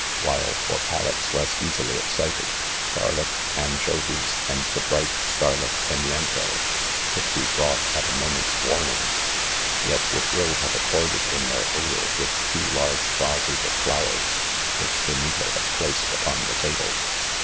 While, for palates less easily excited, garlic, anchovies and the bright scarlet pimiento^could be ;brdught at a moment 5 s warning,' yet would ill have accorded, in their odor, with two large •vases of flowers which Benito had placed up on the table.